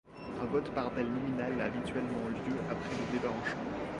Un vote par appel nominal a habituellement lieu après le débat en chambre.